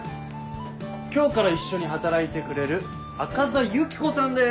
今日から一緒に働いてくれる赤座ユキコさんです。